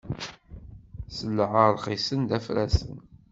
Sselɛa ṛxisen d afrasen.